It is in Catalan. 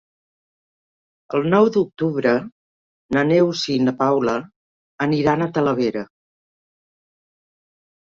El nou d'octubre na Neus i na Paula aniran a Talavera.